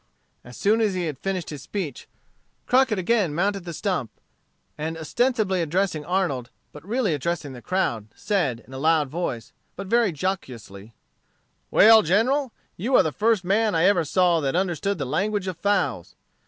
As soon as he had finished his speech, Crockett again mounted the stump, and ostensibly addressing Arnold, but really addressing the crowd, said, in a loud voice, but very jocosely: "Well, General, you are the first man I ever saw that understood the language of fowls.